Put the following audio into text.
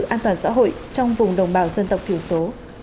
an toàn xã hội trong vùng đồng bào dân tộc thiểu số